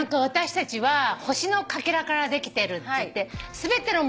私たちは星のかけらからできてるっていって。